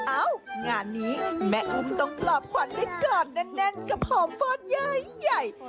งานนี้แม่อุ้มต้องกรอบขวัญด้วยกรอบแน่นกับหอมฟอดใหญ่